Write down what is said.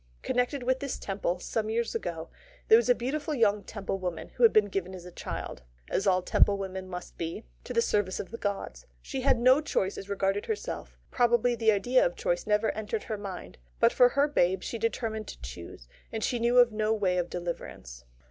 Connected with this Temple, some years ago, there was a beautiful young Temple woman, who had been given as a child as all Temple women must be to the service of the gods. She had no choice as regarded herself probably the idea of choice never entered her mind but for her babe she determined to choose; and yet she knew of no way of deliverance.